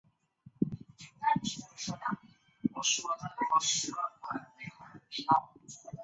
开始想搬回乡下住